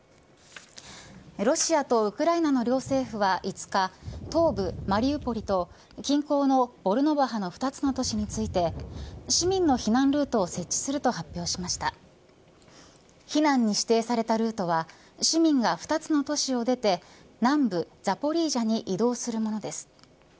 ロシアとウクライナの両政府は５日東部マリウポリと近郊のボルノバハの２つの都市について市民の避難ルートを設置すると発表しました避難に指定されたルートは市民が２つの都市を出て南部ザポリージャに移動するものです。